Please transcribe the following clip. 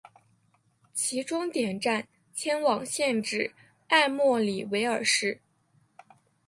其终点站迁往现址埃默里维尔市。